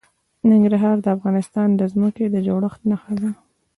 ننګرهار د افغانستان د ځمکې د جوړښت نښه ده.